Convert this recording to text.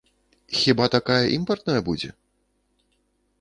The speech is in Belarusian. Хіба такая імпартная будзе?